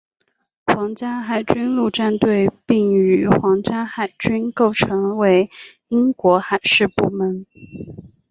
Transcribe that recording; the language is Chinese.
皇家海军陆战队并与皇家海军构成为英国海事部门。